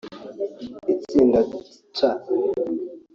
Itsinda C